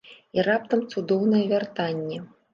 І раптам цудоўнае вяртанне.